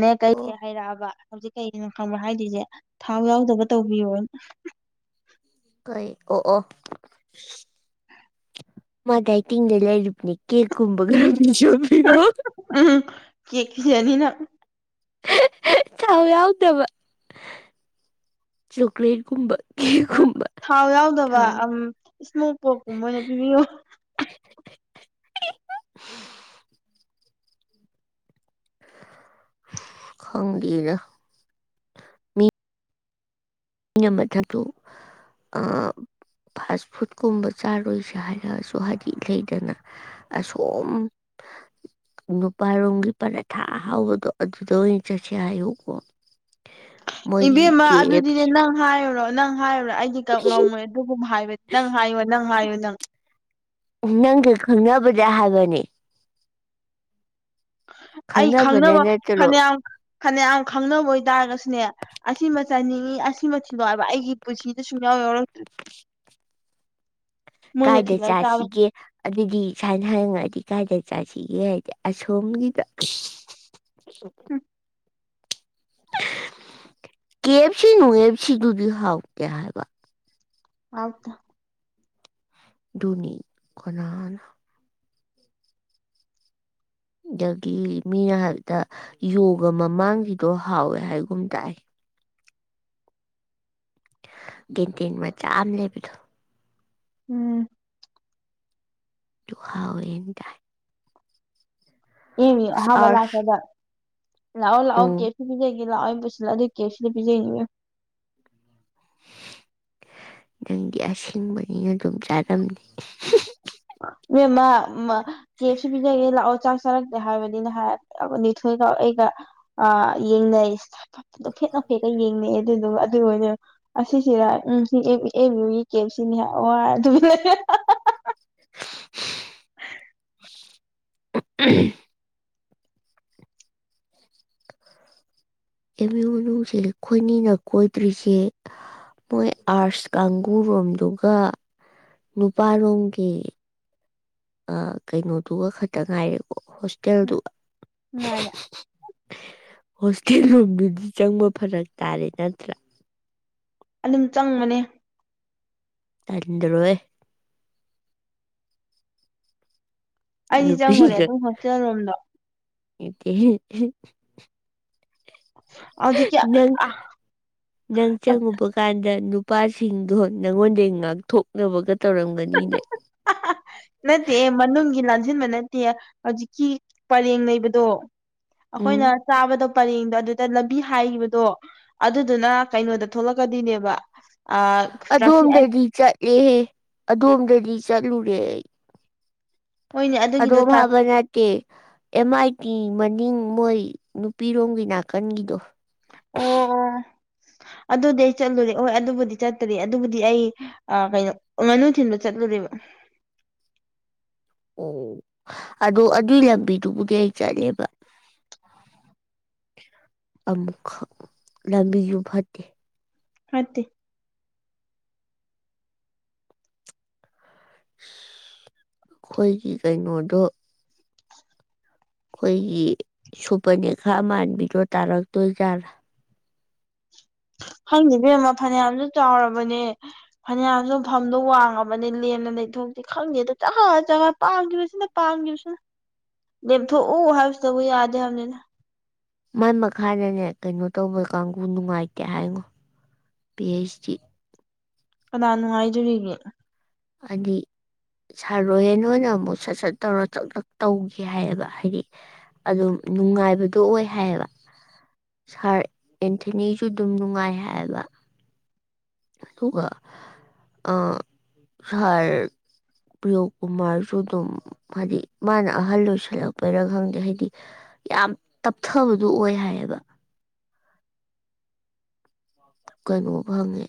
ꯅꯦ ꯀꯩ ꯑꯣ ꯍꯥꯏꯩꯔꯛꯑꯕ ꯍꯧꯖꯤꯛ ꯀꯒꯤꯅꯣ ꯈꯪꯕ꯭ꯔꯥ ꯍꯥꯏꯔꯤꯁꯦ ꯊꯥꯎ ꯌꯥꯎꯗꯕ ꯇꯧꯕꯤꯌꯣꯅ ꯍꯣꯏ ꯑꯣ ꯑꯣ ꯃꯥ ꯗꯥꯏꯇꯤꯡꯗ ꯂꯩꯏꯔꯤꯝꯅꯦ ꯀꯦꯛ ꯀꯨꯝꯕꯒ ꯕꯤꯗꯣ ꯅꯤꯅ ꯆꯍ ꯌꯥꯎꯗꯕ ꯆꯣꯀ꯭ꯂꯦꯠꯀꯨꯝꯕ ꯎꯝ ꯀꯦꯛꯀꯨꯝꯕ ꯊꯥꯎ ꯌꯥꯎꯗꯕ ꯑ ꯊꯥꯎ ꯏꯁꯃꯣꯛ ꯄꯣꯛꯀꯨꯝꯕ ꯑꯣꯏꯅ ꯄꯤꯕꯤꯌꯣ [unintelligible] ꯈꯪꯗꯒ ꯃꯤ ꯑꯩꯅ ꯃꯊꯁꯨ ꯑ ꯐꯥꯁ ꯐꯨꯗꯀꯨꯝꯕ ꯆꯥꯔꯣꯏꯁꯦ ꯍꯥꯏꯔꯒꯁꯨ ꯍꯥꯏꯗꯤ ꯂꯩꯗꯅ ꯑꯁꯣꯝ [unintelligible] ꯅꯨꯄꯥꯔꯣꯝꯒꯤ ꯄꯔꯥꯊꯥ ꯍꯥꯎꯕꯗꯣ ꯑꯗꯨꯗ ꯑꯣꯏꯅ ꯆꯠꯁꯦ ꯍꯥꯏꯌꯨꯀꯣ ꯃꯣꯏꯒꯤ ꯏꯕꯦꯝꯃ ꯀꯦ ꯑꯗꯨꯗꯤꯅꯦ ꯑꯦꯐ ꯅꯪ ꯅꯪ ꯍꯥꯏꯔꯨꯔꯣ ꯅꯪ ꯍꯥꯏꯔꯨꯔꯣ ꯑꯩꯗꯤ ꯀ ꯁꯤ ꯉꯝꯃꯣꯏ ꯑꯗꯨꯒꯨꯝꯕ ꯍꯥꯏꯕ ꯅꯪ ꯍꯥꯏꯌꯣ ꯅꯪ ꯍꯥꯏꯌꯣ ꯅꯪ ꯅꯪꯒ ꯈꯪꯅꯕꯗ ꯍꯥꯏꯕꯅꯤ ꯑꯩ ꯈꯪꯅꯕꯅ ꯈꯪꯅꯕ ꯅꯠꯇ꯭ꯔꯣ ꯐꯅꯌꯥꯝ ꯐꯅꯌꯥꯝ ꯈꯪꯅꯕ ꯑꯣꯏꯇꯥꯔꯒꯁꯨꯅꯦ ꯑꯁꯤ ꯆꯥꯅꯤꯡꯉꯤ ꯑꯁꯤꯃꯊꯤꯗꯣ ꯍꯥꯏꯕ ꯑꯩꯒꯤ ꯄꯨꯟꯁꯤꯗ ꯁꯨꯡꯌꯥꯎ ꯌꯥꯎꯔꯛꯇ꯭ꯔꯤ ꯃꯣꯏꯅ ꯀꯥꯏꯗ ꯊꯤꯜꯂꯛ ꯆꯥꯕ ꯆꯥꯁꯤꯒꯦ ꯑꯗꯨꯗꯤ ꯁꯥꯏꯅ ꯍꯪꯔꯉꯗꯤ ꯀꯥꯏꯗ ꯆꯁꯤ ꯌꯦ ꯍꯥꯏꯦ ꯑ ꯁꯣꯝꯒꯤꯗ ꯀ ꯑꯦꯐꯁꯤ ꯅꯨ ꯑꯦꯐꯁꯤ ꯇꯗꯤ ꯍꯥꯎ ꯀꯌꯥ ꯍꯥꯏꯕ ꯑꯗ ꯅꯤꯅꯤ ꯀꯅꯥ ꯑꯗꯒꯤ ꯃꯤꯅ ꯍꯥꯏꯕꯗ ꯌꯣꯒ ꯃꯃꯥꯡꯁꯤꯗꯣ ꯍꯥꯎꯋꯦ ꯍꯥꯏꯒꯨꯝ ꯇꯥꯏ ꯇꯤꯟ ꯇꯤꯟ ꯃꯆꯥ ꯑꯃ ꯂꯩꯦꯕꯤꯗꯣ ꯎꯝ ꯇꯨ ꯍꯥꯎꯋꯟ ꯇꯥꯏ ꯏꯡꯌ ꯑꯁ ꯑꯍꯥꯟꯕ ꯑꯥꯔꯁ ꯂꯥꯛꯄꯗ ꯂꯥꯛꯑꯣ ꯂꯥꯛꯑꯣ ꯀꯦ ꯎꯝ ꯁꯤꯕꯤꯖꯩ ꯂꯥ ꯄꯨꯁꯤꯂꯗꯤ ꯀꯦꯁꯤꯗ ꯄꯖꯩꯅꯤ ꯅꯪꯗꯤ ꯑꯁꯦꯡꯕꯅꯤꯅ ꯑꯗꯨꯝ ꯆꯥꯔꯅꯤ ꯃꯦꯃꯥ ꯃ ꯀꯦꯑꯦꯞꯁꯤ ꯄꯤꯖꯒꯦ ꯂꯥꯛꯑꯣ ꯆꯥꯁ ꯆꯔꯛꯇꯦ ꯍꯥꯏꯕꯅꯤꯅ ꯍꯥꯏ ꯅꯥꯔꯕ ꯅꯤꯊꯣꯏꯒ ꯑꯩꯒ ꯑ ꯌꯦꯡꯅꯩ ꯗꯣꯛꯐꯦꯠ ꯅꯣꯐꯦꯠꯀ ꯌꯦꯡꯅꯩ ꯑꯗꯨꯗꯨꯒ ꯑꯗꯨ ꯑꯣꯏꯅꯦ ꯑꯁꯤꯁꯤꯔꯥ ꯎꯝ ꯑꯦ ꯑꯦꯝ ꯌꯨꯒꯤ ꯀꯦꯞꯁꯤꯅꯤ ꯌꯔ ꯋꯥꯔ ꯇꯨꯃꯤꯟ ꯂꯩ [unintelligible] ꯑꯦꯝꯌꯨ ꯃꯅꯨꯡꯁꯦ ꯈꯣꯏꯅꯤꯅ ꯀꯣꯏꯗ꯭ꯔꯤꯁꯦ ꯃꯣꯏ ꯑꯥꯔꯁ ꯀꯥꯡꯒꯨꯔꯣꯝꯗꯨꯒ ꯅꯨꯄꯥꯔꯣꯝꯒꯤ ꯑ ꯀꯩꯅꯣꯗꯨꯒ ꯈꯛꯇ ꯉꯥꯏꯔꯦꯀꯣ ꯍꯣꯁꯇꯦꯜꯗꯨꯒ ꯉꯥꯏꯔꯦ ꯍꯣꯁꯇꯦꯜ ꯔꯣꯝꯗꯨꯗꯤ ꯆꯪꯕ ꯐꯔꯛ ꯇꯥꯔꯦ ꯅꯠꯇ꯭ꯔꯥ ꯑꯗꯨꯝ ꯆꯪꯕꯅꯤ ꯇꯟꯗꯔꯣꯏꯑꯦ ꯑꯩꯗꯤ ꯆꯪꯉꯨꯔꯦ ꯅꯨꯄꯤꯒ ꯑꯗꯨꯝ ꯍꯣꯁꯇꯦꯜ ꯔꯣꯝꯗꯣ ꯀꯦꯍꯦ ꯍꯦ ꯍꯧꯖꯤꯛꯀꯤ ꯅꯪ ꯑ ꯅꯪ ꯆꯪꯉꯨꯕ ꯀꯥꯟꯗ ꯅꯨꯞ ꯅꯨꯄꯥꯁꯤꯡꯗꯣ ꯅꯪꯉꯣꯟꯗꯩ ꯉꯥꯛꯊꯣꯛꯅꯕꯒ ꯇꯧꯔꯝꯒꯅꯤꯅꯦ ꯍꯍ ꯅꯠꯇꯦꯍꯦ ꯃꯅꯨꯡꯒꯤ ꯂꯥꯟ ꯖꯤꯟꯕ ꯅꯠꯇꯦꯌ ꯍꯧꯖꯤꯛꯀꯤ ꯄꯔꯦꯡ ꯂꯩꯕꯗꯣ ꯎꯝ ꯑꯈꯣꯏꯅ ꯆꯥꯕꯗꯛ ꯄꯔꯦꯡꯗꯣ ꯑꯗꯨꯗ ꯂꯝꯕꯤ ꯍꯥꯏꯒꯤꯕꯗꯣ ꯑꯗꯨꯗꯨꯅ ꯀꯩꯅꯣꯗ ꯊꯣꯛꯂꯛꯀꯗꯨꯏꯅꯦꯕ ꯑꯗꯣꯝꯗꯗꯤ ꯆꯠꯂꯦꯍꯦ ꯑꯗꯣꯝꯗꯗꯤ ꯆꯠꯂꯨꯔꯦ ꯑꯩ ꯍꯣꯏꯅꯦ ꯑꯗꯣ ꯑꯗꯨꯒꯤꯗꯣ ꯑꯣ ꯐꯥꯕ ꯅꯠꯇꯦ ꯑꯦꯝ ꯃꯥꯏ ꯇꯤ ꯃꯟ ꯅꯤꯡ ꯃꯣꯏ ꯅꯨꯄꯤꯔꯣꯝꯒꯤ ꯅꯥꯀꯟꯒꯤꯗꯣ ꯑꯣ ꯑꯣ ꯑꯗꯨꯗꯤ ꯑꯩ ꯆꯠꯂꯨꯔꯦ ꯍꯣꯏ ꯑꯗꯨꯕꯨꯗꯤ ꯆꯠꯇꯔꯤ ꯑꯗꯨꯕꯨꯗꯤ ꯑꯩ ꯑ ꯀꯩꯅꯣ ꯉꯥꯅꯨ ꯊꯤꯟꯕ ꯆꯠꯂꯨ ꯑꯦꯕ ꯑꯣ ꯑꯗꯨ ꯑꯗꯨꯏ ꯂꯝꯕꯤꯗꯨꯕꯨꯗꯤ ꯑꯩ ꯆꯠꯂꯦꯕ ꯑꯃꯨꯛ ꯈꯛ ꯂꯝꯕꯤꯌꯨ ꯐꯠꯇꯦ ꯍꯇꯦ ꯑꯈꯣꯏꯒꯤ ꯀꯩꯅꯣꯗꯣ ꯈꯣꯏꯒꯤ ꯁꯨꯄꯔꯅꯦꯈ꯭ꯔꯥ ꯃꯥꯟꯕꯤꯗꯣ ꯇꯥꯔꯛꯇꯣꯏꯖꯥꯠꯂꯥ ꯍꯪꯅꯤꯕꯦꯝꯃ ꯐꯅꯌꯥꯝꯁꯨ ꯆꯥꯎꯔꯕꯅꯦ ꯐꯅꯌꯥꯝꯖꯨ ꯐꯝꯗꯣ ꯋꯥꯡꯉꯕꯅꯤ ꯂꯦꯝꯅ ꯂꯩ ꯏꯊꯣꯛꯇꯦ ꯈꯪꯗꯦꯗ ꯆꯒꯥ ꯆꯒꯠ ꯄꯥꯝꯒꯤꯕꯁꯤꯅ ꯄꯥꯝꯒꯤꯕꯁꯤꯅ ꯂꯦꯝꯊꯣꯛꯎ ꯍꯥꯏꯕꯁꯤꯗꯕꯨ ꯌꯥꯗꯦ ꯍꯥꯏꯕꯅꯤꯅ ꯃꯥꯏ ꯃꯈꯥꯗꯅꯦ ꯀꯩꯅꯣ ꯇꯧꯕ ꯀꯥꯡꯒꯨ ꯅꯨꯡꯉꯥꯏꯇꯦ ꯍꯥꯏꯉꯣ ꯄꯤ ꯍꯩꯁ ꯆꯤ ꯀꯅꯥꯟꯅꯨꯡꯉꯥꯏꯖꯔꯤꯒꯦ ꯑꯗꯤ ꯁꯥꯔꯣꯏ ꯍꯦꯅꯣ ꯑꯣꯏꯅ ꯑꯃꯨꯛ ꯁꯠ ꯁꯠ ꯇꯧꯔ ꯆꯛ ꯇꯛ ꯇꯧꯒꯦ ꯍꯥꯏꯌꯦꯕ ꯍꯥꯏꯗꯤ ꯑꯗꯨꯝ ꯅꯨꯡꯉꯥꯏꯕꯗꯣ ꯑꯣꯏ ꯍꯥꯏꯌꯦꯕ ꯁꯥꯔ ꯑꯦꯟꯊꯅꯤꯁꯨ ꯑꯗꯨꯝ ꯅꯨꯡꯉꯥꯏ ꯍꯥꯏꯌꯦꯕ ꯍꯗꯨꯒ ꯑ ꯁꯔ ꯄ꯭ꯔꯤꯌꯣꯀꯨꯃꯥꯔꯁꯨ ꯑꯗꯨꯝ ꯍꯥꯏꯗꯤ ꯃꯥꯅ ꯑꯍꯜ ꯑꯣꯏꯁꯜꯂꯛꯄꯩꯔꯥ ꯈꯪꯗꯦ ꯍꯥꯏꯗꯤ ꯌꯥꯝ ꯇꯞꯊꯕꯗꯨ ꯑꯣꯏ ꯍꯥꯏꯌꯦꯕ ꯀꯩꯅꯣ ꯐꯪꯉꯦ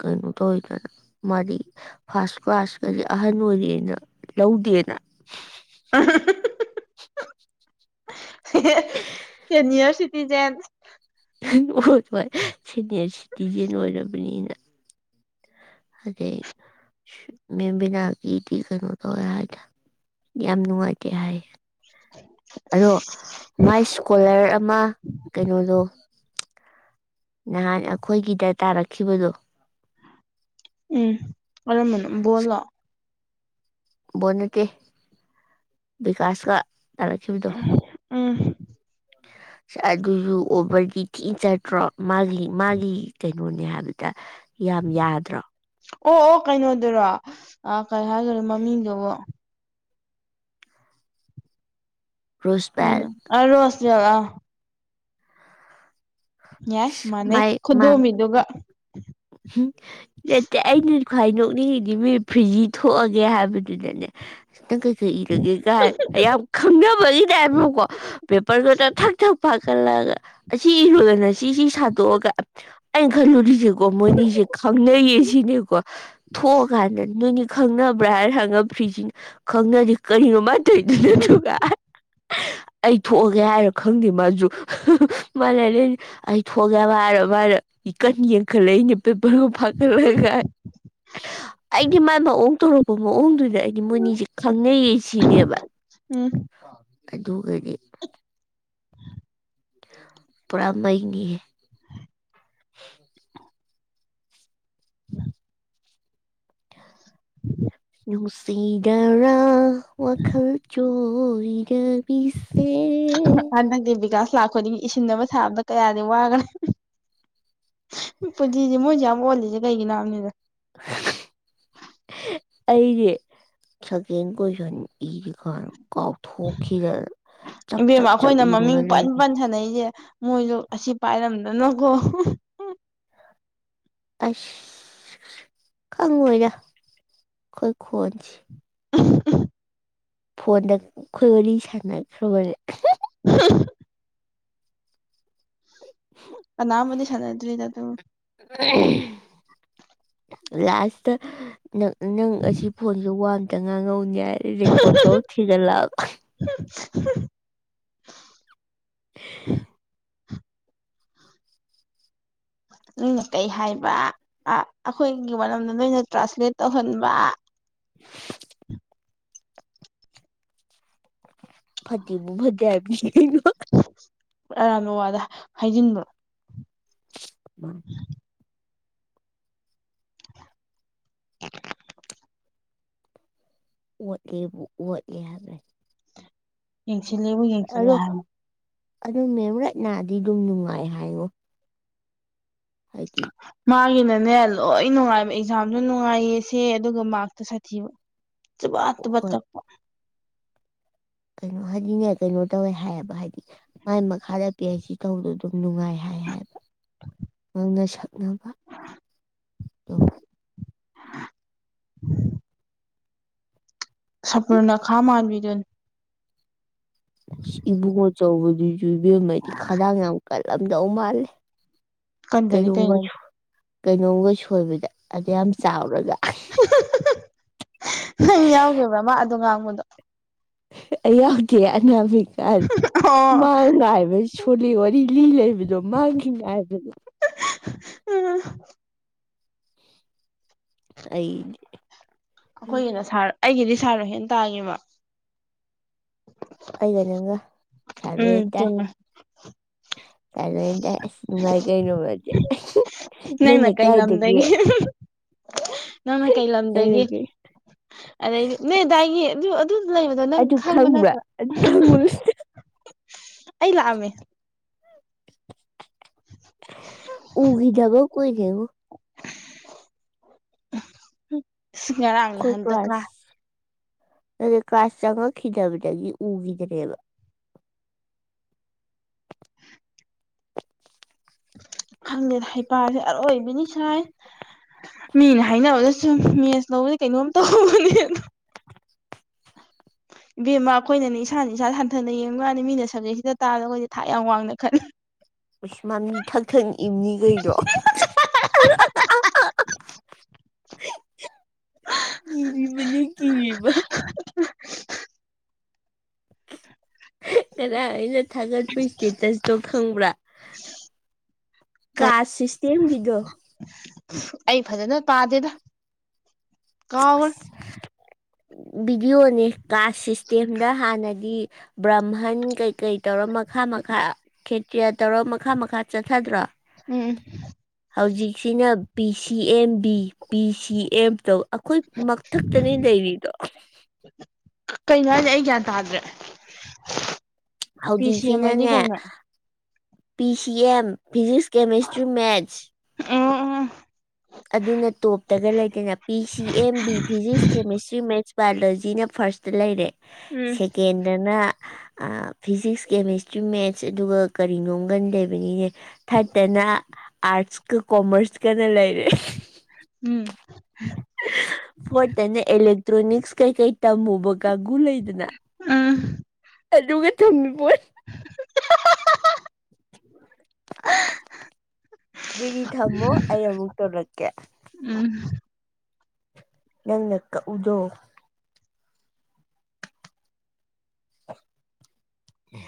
ꯀꯅꯣ ꯇꯧꯋꯦꯗ ꯃꯗꯤ ꯐꯥꯁ ꯀꯂꯥꯁ ꯀꯖꯦ ꯑꯍꯟ ꯑꯣꯏꯔꯑꯦꯅ ꯂꯧ ꯗꯤꯅ ꯁꯅꯤꯌꯔ ꯁꯤꯇꯤꯖꯦꯟ ꯎꯠ ꯍꯣꯏ ꯁꯦꯅꯤꯌꯔ ꯁꯤꯇꯤꯖꯦꯟ ꯑꯣꯏꯔꯕꯅꯤꯅ ꯑꯗꯩ ꯃꯦꯝ ꯕꯤꯅꯥꯒꯤꯗꯤ ꯀꯩꯅꯣ ꯇꯧꯋꯦ ꯍꯥꯏꯗ ꯌꯥꯝ ꯅꯨꯡꯉꯥꯏꯇꯦ ꯍꯥꯏ ꯑꯗꯣ ꯎꯝ ꯃꯥꯏ ꯏꯁꯀꯣꯂꯔ ꯑꯃ ꯀꯩꯅꯣꯗꯣ ꯅꯍꯥꯟ ꯑꯩꯈꯣꯏꯒꯤꯗ ꯇꯥꯔꯛꯈꯤꯕꯗꯣ ꯎꯝ ꯑꯔꯝꯅ ꯣꯂꯣ ꯣ ꯀ ꯀꯥꯁ ꯀ ꯇꯔꯥ ꯊꯕꯤ ꯇꯣ ꯎꯝ ꯑꯗꯨꯁꯨ ꯑꯣꯕꯔꯗꯤ ꯊꯤ ꯆꯠꯇ꯭ꯔꯣ ꯃꯥꯒꯤ ꯃꯥꯒꯤ ꯆ ꯀꯩꯅꯣꯅꯦ ꯍꯥꯏꯕꯗ ꯌꯥꯝ ꯌꯥꯗ꯭ꯔꯣ ꯑꯣ ꯑꯣ ꯀꯩꯅꯣꯗꯨꯔꯣ ꯀꯩ ꯍꯥꯏꯈꯔꯦ ꯃꯃꯤꯡꯗꯨꯕꯨ ꯔꯣꯁꯕꯦꯜ ꯍꯅ ꯑꯔꯣ ꯑꯁꯒꯂ ꯌꯥꯏ ꯃꯥꯅꯦꯩ ꯈꯨꯗꯣꯃꯤꯗꯨꯒ ꯑꯩꯅꯤ ꯈ ꯅꯣꯛꯅꯤꯡꯉꯤꯗꯤ ꯃꯤ ꯐ꯭ꯔꯤꯖꯤ ꯊꯣꯛꯑꯒꯦ ꯍꯥꯏꯕꯗꯨꯗꯅꯦ ꯈꯤꯇꯪ ꯏꯔꯒꯦ ꯀꯥꯏ ꯑꯩ ꯌꯥꯝ ꯈꯪꯅꯕꯒꯤꯅꯦ ꯍꯥꯏꯕꯀꯣ ꯄꯦꯄꯔ ꯈꯛꯇ ꯊꯛ ꯊꯛ ꯈꯜꯂꯛꯑꯒ ꯑꯁꯤ ꯏꯔꯣꯏꯗꯅ ꯁꯤꯁꯤ ꯁꯥꯠꯇꯣꯛꯑꯒ ꯑꯩꯅ ꯈꯜꯂꯨꯔꯤꯁꯦ ꯀꯣ ꯃꯣꯏꯅꯤꯁꯦ ꯈꯪꯅꯩꯌꯦ ꯁꯤꯅꯦꯀꯣ ꯊꯣꯛꯑꯀꯥꯟꯗ ꯅꯣꯏꯅꯤ ꯈꯪꯅꯕ꯭ꯔꯥ ꯍꯥꯏꯅ ꯈꯪꯉꯝ ꯐ꯭ꯔꯤꯁꯤꯅ ꯈꯪꯅꯁꯤ ꯀꯔꯤꯅꯣꯃꯥꯏ ꯇꯧꯗꯣꯏꯅꯠꯇ [unintelligible] ꯑꯩ ꯊꯣꯛꯑꯒꯦ ꯍꯥꯏꯔꯣ ꯈꯪꯗꯦ ꯃꯥꯁꯨ ꯃꯥ ꯂꯩꯅꯦ ꯑꯩ ꯊꯣꯛꯑꯒꯦꯕ ꯍꯥꯏꯔꯣ ꯃꯥꯅ ꯏ ꯀꯅꯤ ꯌꯦ ꯄꯥꯈꯠꯂꯛ ꯑꯩꯅ ꯄꯦꯄꯔꯒ ꯐꯥꯒꯠꯂꯒ ꯑꯩꯒꯤ ꯃꯥꯥꯏ ꯃ ꯑꯣꯡ ꯇꯧꯣꯔꯛꯄ ꯑꯄ ꯃꯑꯣꯡꯗꯨꯗ ꯑꯩꯗꯤ ꯃꯣꯏꯅꯤꯁꯦ ꯈꯪꯅꯩꯌꯦ ꯁꯤꯅꯦꯕ ꯎꯝ ꯑꯗꯨꯒꯗꯤ ꯄꯨꯔꯥ ꯃꯅꯤ ꯎ ꯅꯨꯡꯁꯤꯗꯔꯥ ꯋꯥꯈꯜ ꯆꯣꯏꯗꯕꯤꯁꯦ ꯍꯟꯗꯛꯇꯤ ꯕꯤꯀꯥꯁ ꯂꯥꯛꯄꯗꯤꯡ ꯏꯁꯤꯟꯅꯕ ꯁꯥꯕꯗ ꯀꯌꯥꯗꯤ ꯋꯥꯒꯅꯦ ꯎ ꯄꯨꯗꯤꯗꯤ ꯃꯣꯏꯁꯦ ꯌꯥꯝ ꯑꯣꯜꯂꯤꯁꯦ ꯀꯩꯒꯤ ꯅꯍꯅꯤꯗ ꯑꯩꯁꯦ ꯁꯀꯦꯟ ꯀꯣꯏꯁꯟ ꯏꯁꯦ ꯈꯥ ꯀꯥꯎꯊꯣꯛꯈꯤꯔ ꯆꯞ ꯏꯕꯦꯝꯃ ꯆꯞ ꯆꯞ ꯌꯨꯡꯒꯅꯦ ꯃꯣꯏꯗꯣ ꯑꯁꯤ ꯄꯥꯏꯔꯝꯗꯅꯀꯣ ꯑꯁ ꯈꯪꯉꯣꯏꯔ ꯑꯩꯈꯣꯏ ꯈꯣꯟꯁꯤꯦ [unintelligible] ꯐꯣꯟꯗ ꯑꯩꯈꯣꯏ ꯋꯥꯔꯤ ꯁꯥꯟꯅꯈ꯭ꯔꯕꯅꯦꯦ [unintelligible] ꯑꯅꯥ ꯃ ꯁꯅ ꯑꯗꯨꯗ ꯇ ꯂꯥꯁꯇ ꯅꯪ ꯑꯁꯤ ꯐꯣꯟꯁꯦ ꯋꯥꯝꯇ ꯉꯥꯡꯍꯧꯅꯦ ꯐꯔꯤꯀꯣ ꯇ ꯊꯒꯂ ꯎ ꯍ [unintelligible] ꯅꯣꯏꯅ ꯀꯩ ꯍꯥꯏꯕ ꯑꯩꯈꯣꯏꯒꯤ ꯃꯔꯝꯗ ꯅꯣꯏꯅ ꯇ꯭ꯔꯥꯟꯁꯂꯦꯠ ꯇꯧꯍꯟꯕ [unintelligible] ꯐꯇꯕꯨ ꯃꯖꯥꯤ ꯑꯔꯥꯟꯕ ꯋꯥꯗ ꯍꯥꯏꯖꯤꯟꯕ꯭ꯔꯣ [unintelligible] [unintelligible] ꯎꯠꯒꯤꯕꯨ ꯎꯠꯒꯤ ꯍꯥꯏꯂꯣꯏ ꯏꯂꯕꯨ ꯌꯦꯡꯁꯤ ꯂꯦ ꯍꯥꯏ ꯑꯗꯨ ꯃꯦꯝꯔꯠꯅꯗꯤ ꯑꯗꯨꯝ ꯅꯨꯡꯉꯥꯏ ꯍꯥꯏꯉꯣ ꯍꯥꯏꯗꯤ ꯃꯥꯒꯤꯅꯅꯦ ꯂꯣꯏ ꯅꯨꯡꯉꯥꯏꯕ ꯑꯦꯛꯖꯥꯝꯁꯨ ꯅꯨꯡꯉꯥꯏꯌꯦꯁꯦ ꯑꯗꯨꯒ ꯃꯥꯔꯁꯇ ꯁꯥꯊꯤꯕ ꯆꯕꯥ ꯇꯕꯠ ꯍꯣꯏ ꯀꯛꯄ ꯀꯩꯅꯣ ꯍꯥꯏꯗꯤꯅꯦ ꯀꯩꯅꯣ ꯇꯧꯋꯦ ꯍꯥꯏꯌꯦꯕ ꯍꯥꯏꯗꯤ ꯃꯥꯏ ꯃꯈꯥꯗ ꯄꯤ ꯑꯩꯁꯤ ꯇꯧꯕꯗꯣ ꯑꯗꯨꯝ ꯅꯨꯡꯉꯥꯏ ꯅ ꯁꯛꯅꯕ ꯑꯗꯨꯝ [unintelligible] [inaudible] ꯁꯄꯅꯅ ꯈꯥ ꯃꯥꯟꯕꯤꯗ ꯏꯕꯨꯡꯉ ꯑꯆꯧꯕꯗꯨꯁꯨ ꯏꯕꯦꯝꯃꯩꯗꯤ ꯈꯗꯥꯡ ꯌꯥꯝ ꯀꯜꯂꯝꯗꯧ ꯃꯥꯜꯂꯦ ꯀꯟꯗꯅꯤ ꯀꯩꯅꯣꯝꯒ ꯀꯩꯅꯅꯅꯤ ꯀꯩꯅꯣꯝꯒ ꯁꯣꯏꯕꯗ ꯑꯗꯨ ꯌꯥꯝ ꯆꯥꯎꯔꯒ ꯅꯪ ꯌꯥꯎꯗꯕ꯭ꯔ ꯃꯥ ꯑꯣ ꯉꯥꯡ ꯗ [inaudible] ꯑꯒꯦ ꯑꯅꯥꯃꯀꯔ ꯑꯣ ꯃꯥꯡꯉꯥꯏ ꯍꯥꯏꯕ ꯁꯣꯜꯂꯤ ꯋꯥꯔꯤ ꯂꯤ ꯂꯩꯕꯗꯣ ꯃꯥꯡꯈꯤꯅꯤ ꯍꯥꯏꯕꯗꯣ [unintelligible] ꯑꯩ ꯑꯩꯈꯣꯏꯒꯤꯅ ꯁꯥꯔ ꯑꯩꯒꯤꯗꯤ ꯁꯥꯔꯣ ꯍꯦ ꯇꯥꯡꯉꯦꯕ ꯑꯩꯒ ꯅꯪꯒ ꯁꯥꯔꯨꯦ ꯎꯝ ꯇꯥꯏ ꯆꯨꯝꯃꯦ ꯆꯂꯣ ꯏ ꯇꯉꯥꯏ ꯀꯩꯅꯃꯦ ꯅꯟꯅꯦ ꯀꯥꯏꯗꯒꯦ ꯅꯣꯡ ꯃꯥꯏꯀꯩ ꯂꯝꯗꯒꯤ ꯑꯩꯅꯒꯤ ꯑꯗꯩꯗꯤ ꯅꯣꯏ ꯑꯗꯨꯗꯥꯏꯒꯤ ꯑꯗꯨ ꯑꯗꯨ ꯂꯩ ꯃ ꯅꯪ ꯈꯪꯕ ꯃꯅ ꯃꯜ [inaudible] ꯑꯩ ꯂꯥꯛꯑꯃꯦ ꯎꯒꯤ ꯒꯤ ꯀꯣꯏꯅꯦ ꯉꯔꯥꯡꯅ ꯑꯩꯈꯣꯏ ꯍꯟꯗꯛ ꯀ꯭ꯂꯥꯁ ꯑꯗꯨ ꯀꯥꯁ ꯆꯪꯉꯛꯈꯤꯗꯕꯗꯒꯤ ꯎꯈꯤꯗ꯭ꯔꯦꯕꯥ ꯈꯪꯗꯦꯗꯥ ꯍꯩꯄꯥꯁꯦ ꯑꯔꯣꯏꯕꯤꯅꯤ ꯁꯥꯏ ꯃꯤꯅ ꯍꯥꯏꯅꯕꯗ ꯁꯨꯝ ꯃꯦꯁ ꯂꯧꯕꯗꯤ ꯀꯩꯅꯣꯝ ꯇꯧꯍꯧꯕꯅꯤ ꯍ [unintelligible] [inaudible] ꯕꯦꯝꯃ ꯑꯩꯈꯅꯅꯦ ꯏꯁꯥꯅ ꯏꯁꯥ ꯁꯟꯊꯅ ꯌꯦꯡꯕ ꯃꯥꯥꯟꯅꯤ ꯃꯤꯅ ꯁꯕꯖꯦꯛꯁꯤꯗ ꯇꯥꯔꯗ ꯑꯩꯈꯣꯏꯗꯤ ꯊꯥꯛ ꯌꯥꯝ ꯋꯥꯡꯅ ꯈꯜꯂꯦ ꯀꯩꯁꯃꯥ ꯂꯤ ꯊꯛ ꯊꯛ ꯅꯤꯛꯏꯝꯅ‌ꯦ ꯀꯅ‌ꯣ [unintelligible] ꯀꯤꯔꯤꯕꯅꯦ ꯀꯤꯔꯤꯕꯥ ꯀꯗꯥꯏꯗꯒꯤ ꯊꯥꯒꯠꯄꯥ ꯏꯁꯇꯦꯇꯁꯗꯣ ꯈꯪꯕ꯭ꯔꯥ ꯀꯥ ꯁꯤꯁꯇꯦꯝꯒꯤꯗꯣ ꯑꯩ ꯐꯖꯅ ꯇꯥꯗꯦꯗ ꯀꯥꯎꯈ꯭ꯔꯦ ꯚꯕꯤꯗꯤꯑꯣꯅꯦ ꯀ꯭ꯂꯥꯁ ꯁꯤꯁꯇꯦꯝꯗ ꯍꯥꯟꯅꯗꯤ ꯕ꯭ꯔꯍꯟ ꯀꯩꯀꯩ ꯇꯧꯔ ꯃꯈꯥ ꯃꯈꯥ ꯈꯦꯇ꯭ꯔꯤꯌꯥ ꯇꯧꯔ ꯃꯈꯥ ꯃꯈꯥ ꯆꯠꯊꯗ꯭ꯔꯣ ꯎꯝ ꯍꯧꯖꯤꯛꯁꯤꯅ P C M B B C M ꯇꯧ ꯑꯩꯈꯣꯏ ꯃꯊꯛꯇꯅꯤ ꯂꯩꯔꯤꯗꯣ ꯀꯩꯅꯣ ꯍꯥꯏꯅꯦ ꯑꯩ ꯒ꯭ꯌꯥꯟ ꯇꯥꯗ꯭ꯔꯦ ꯄꯤ ꯁꯤ ꯑꯦꯝꯥꯏꯗꯤ ꯍꯧꯖꯤꯛꯁꯤꯅꯅꯦ ꯀꯩꯅ P C M physics chemistry maths ꯎꯝ ꯎꯝ ꯑꯗꯨꯅ ꯇꯣꯞꯇꯒ ꯂꯩꯗꯅ P C M B physics chemistry maths ꯕꯥꯏꯑꯣꯂꯣꯖꯤꯅ ꯐꯥꯔꯁꯇ ꯂꯩꯔꯦ ꯎꯝ ꯁꯦꯀꯦꯟꯗꯅ ꯐꯤꯖꯤꯛꯁ ꯀꯦꯃꯤꯁꯇ꯭ꯔꯤ ꯃꯦꯠꯁ ꯑꯗꯨꯒ ꯀꯔꯤꯅꯣꯒꯟ ꯂꯩꯕꯅꯤꯅꯦ ꯊꯔꯠꯇꯅ ꯑꯥꯔꯠꯁꯀ ꯀꯣꯃꯔꯁꯀꯅ ꯂꯩꯔꯦ ꯎꯝ [unintelligible] [inaudible] ꯑꯦꯛꯇ꯭ꯔꯣꯅꯤꯛꯁ ꯀꯩꯀꯩ ꯇꯝꯃꯨꯕ ꯀꯥꯡꯒꯨ ꯂꯩꯗꯅ ꯎꯝ ꯑꯗꯨꯒ ꯑꯗꯨꯒ ꯊꯝꯃꯤꯄꯨꯔ [unintelligible] ꯑꯗꯨꯦꯗꯤ ꯊꯝꯃꯣ ꯑꯩ ꯑꯃꯨꯛ ꯇꯧꯂꯛꯀꯦ ꯎꯝ ꯅꯪꯅ ꯎꯗꯣ ꯎꯝ